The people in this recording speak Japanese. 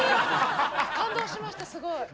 感動しましたすごい。